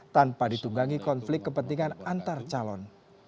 tanpa ditunggangi konflik kepentingan antar calon